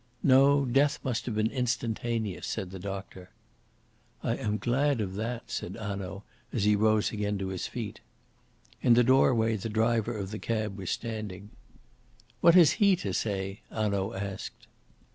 "No; death must have been instantaneous," said the doctor. "I am glad of that," said Hanaud, as he rose again to his feet. In the doorway the driver of the cab was standing. "What has he to say?" Hanaud asked.